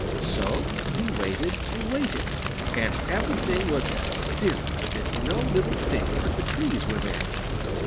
So he waited and waited, and everything was as still as if no living thing but the trees were there.